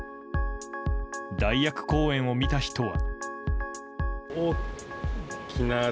代役公演を見た人は。